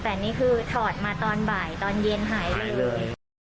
แต่นี่คือถอดมาตอนบ่ายตอนเย็นหายไปเลย